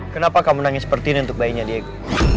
kenapa kamu menangis seperti ini untuk bayinya diego